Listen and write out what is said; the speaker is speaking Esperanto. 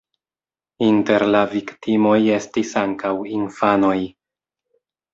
Inter la viktimoj estis ankaŭ infanoj.